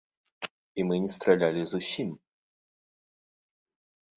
І мы не стралялі зусім.